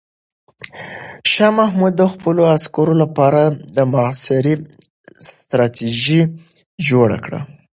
شاه محمود د خپلو عسکرو لپاره د محاصرې ستراتیژي جوړه کړه.